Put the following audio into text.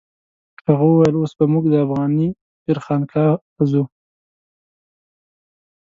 هغه وویل اوس به موږ د افغاني پیر خانقا ته ځو.